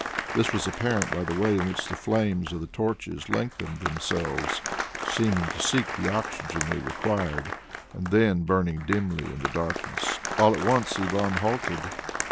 This was apparent by the way in which the flames of the torches lengthened themselves, seeming to seek the oxygen they required, and then burning dimly in the darkness. All at once Ivan halted.